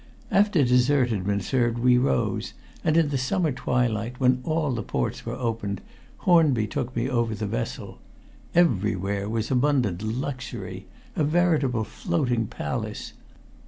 After dessert had been served we rose, and in the summer twilight, when all the ports were opened, Hornby took me over the vessel. Everywhere was abundant luxury a veritable floating palace.